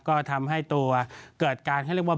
ก็ทำให้ตัวเกิดการเขาเรียกว่า